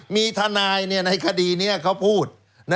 มีทนายในคดีนี้เขาพูด